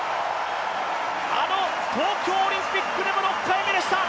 あの東京オリンピックでも６回目でした。